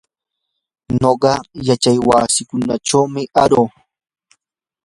nuqa yachaywasichumi aruu.